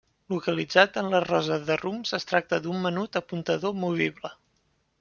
Localitzat en la rosa de rumbs es tracta d'un menut apuntador movible.